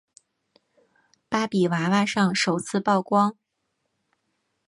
芭比娃娃上首次曝光。